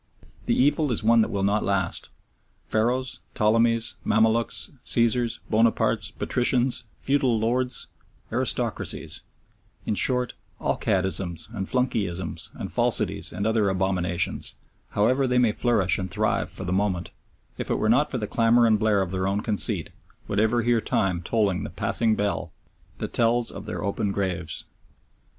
The evil is one that will not last. Pharaohs, Ptolemies, Mamaluks, Cesars, Bonapartes; patricians, feudal lords, aristocracies; in short, all caddisms and flunkeyisms and falsities and other abominations, however they may flourish and thrive for the moment, if it were not for the clamour and blare of their own conceit, would ever hear Time tolling the passing bell that tells of their open graves.